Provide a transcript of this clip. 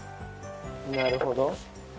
なるほど。